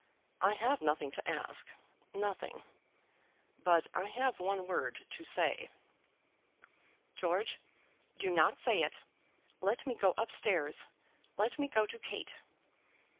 "I have nothing to ask; nothing. But I have one word to say." "George, do not say it. Let me go up stairs. Let me go to Kate."